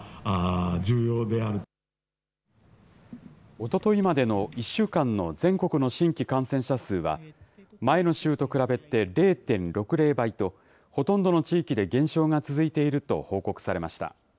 おとといまでの１週間の全国の新規感染者数は、前の週と比べて、０．６０倍と、ほとんどの地域で減少が続いていると報告されました。